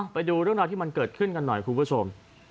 ไปดูเรื่องราวที่มันเกิดขึ้นกันหน่อยคุณผู้ชม